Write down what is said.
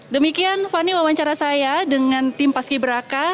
demikian fani wawancara saya dengan tim paski beraka